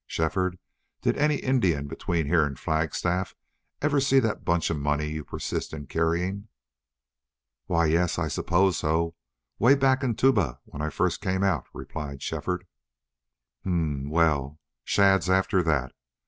Shefford, did any Indian between here and Flagstaff ever see that bunch of money you persist in carrying?" "Why, yes, I suppose so 'way back in Tuba, when I first came out," replied Shefford. "Huh! Well, Shadd's after that....